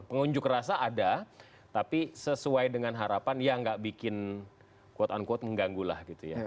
pengunjuk rasa ada tapi sesuai dengan harapan ya nggak bikin quote unquote mengganggulah gitu ya